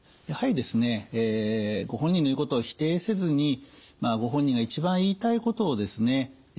やはりですねご本人の言うことを否定せずにご本人が一番言いたいことをですね